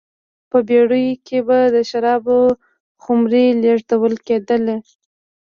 په بېړیو کې به د شرابو خُمرې لېږدول کېدلې